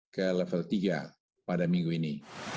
ke level tiga pada minggu ini